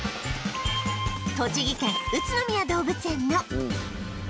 栃木県宇都宮動物園の